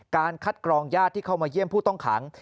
คัดกรองญาติที่เข้ามาเยี่ยมผู้ต้องขัง